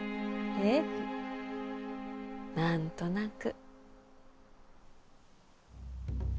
ええ何となく。